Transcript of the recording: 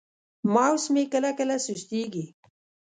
ماوس مې کله کله سستېږي.